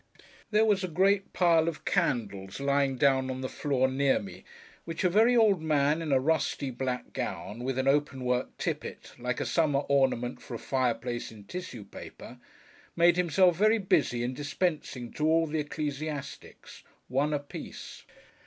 There was a great pile of candles lying down on the floor near me, which a very old man in a rusty black gown with an open work tippet, like a summer ornament for a fireplace in tissue paper, made himself very busy in dispensing to all the ecclesiastics: one a piece.